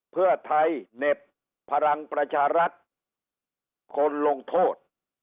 เพื่อไทยเหน็บพลังประชารัฐคนลงโทษ